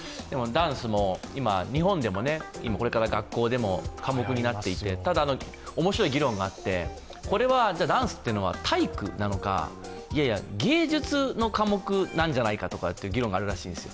ダンスも、今、日本でも、これから学校でも科目になっていってただ、面白い議論があってダンスというのは体育なのか、いやいや、芸術の科目なんじゃないかという議論があるらしいです。